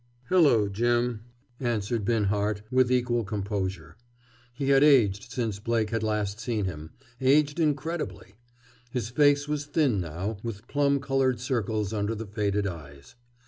"Hello, Jim!" answered Binhart, with equal composure. He had aged since Blake had last seen him, aged incredibly. His face was thin now, with plum colored circles under the faded eyes.